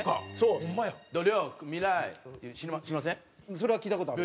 それは聴いた事ある。